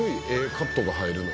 カットが入るな